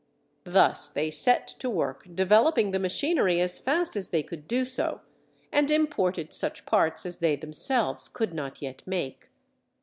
Thus they set to work developing the machinery as fast as they could do so, and imported such parts as they themselves could not yet make.